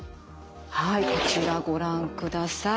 はいこちらご覧ください。